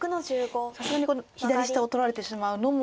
さすがにこの左下を取られてしまうのも。